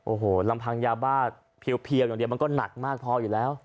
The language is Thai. โอ้โหลำพังยาบ้าเพียวอย่างเดียวมันก็หนักมากพออยู่แล้ว